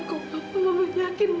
kau mau meyakinkan